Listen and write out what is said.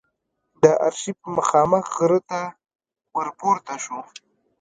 د آرشیف مخامخ غره ته ور پورته شوو.